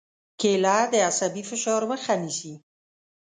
کېله د عصبي فشار مخه نیسي.